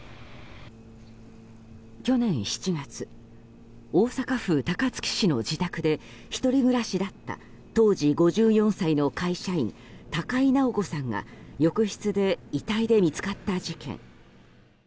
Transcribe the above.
去年７月大阪府高槻市の自宅で１人暮らしだった当時５４歳の会社員高井直子さんが浴室で遺体で見つかった事件。